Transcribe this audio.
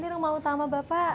ini rumah utama bapak